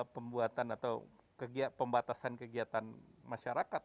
pembuatan atau pembatasan kegiatan masyarakat